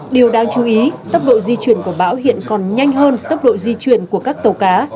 điều đáng chú ý tốc độ di chuyển của bão hiện còn nhanh hơn tốc độ di chuyển của các tàu cá